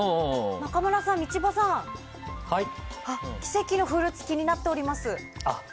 中村さん、道場さん奇跡のフルーツが気になっております。